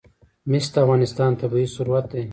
مس د افغانستان طبعي ثروت دی.